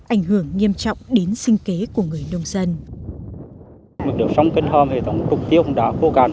ảnh hưởng nghiêm trọng đến sinh kế của người nông dân